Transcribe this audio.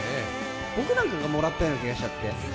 僕なんかがもらったような気がしちゃって。